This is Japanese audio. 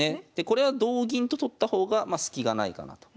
これは同銀と取った方がまあスキがないかなと。